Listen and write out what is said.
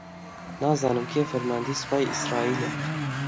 نازانم کێ فەرماندەی سوپای ئیسرائیلە؟